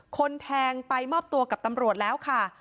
คนแทงไปมอบตัวกับตำรวจแล้วค่ะ